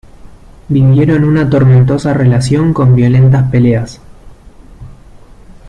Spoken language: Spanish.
Vivieron una tormentosa relación con violentas peleas.